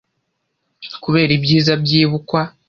kubera ibyiza byibukwa